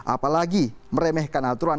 apalagi meremehkan aturan